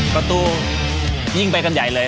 ประตูยิ่งไปกันใหญ่เลย